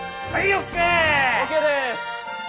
ＯＫです。